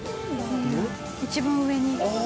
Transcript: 一番上に。